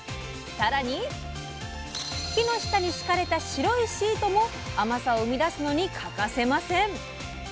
さらに木の下に敷かれた白いシートも甘さを生み出すのに欠かせません。